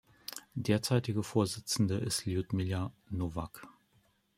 Derzeitige Vorsitzende ist Ljudmila Novak.